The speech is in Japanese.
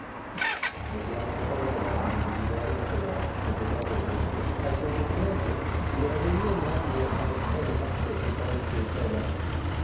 沖縄の方々が無事であることが先決だと思うので、体制を整えて、入れられるようになるのをしっかり待って、復活していきたいなと。